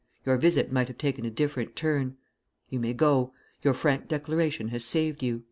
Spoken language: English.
Your visit might have taken a different turn. You may go. Your frank declaration has saved you."